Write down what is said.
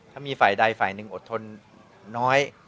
ถ้ามีฝ่ายใดฝ่ายหนึ่งอดทนน้อย